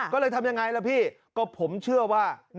ก็เลยทำยังไงล่ะพี่ก็ผมเชื่อว่าน่าจะให้โชค